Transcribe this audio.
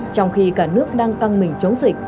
trong khi cả nước đang căng mình chống dịch